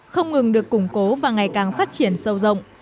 không ngừng được củng cố và ngày càng phát triển sâu rộng